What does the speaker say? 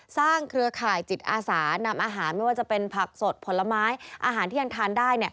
เครือข่ายจิตอาสานำอาหารไม่ว่าจะเป็นผักสดผลไม้อาหารที่ยังทานได้